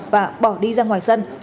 và bỏ đi ra ngoài sân